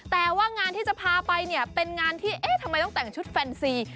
แต่ว่างานที่จะพาไปเนี่ยเป็นงานที่เอ๊ะทำไมต้องแต่งชุดแฟนซี